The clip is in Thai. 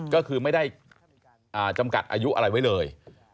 ก็คือไม่ได้จำกัดอายุอะไรไว้เลย